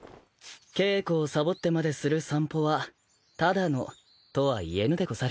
稽古をサボってまでする散歩は「ただの」とは言えぬでござる。